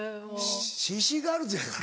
Ｃ．Ｃ．ガールズやからな。